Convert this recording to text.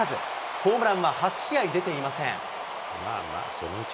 ホームランは８試合出ていません。